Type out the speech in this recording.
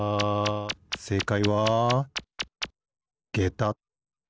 せいかいはげた。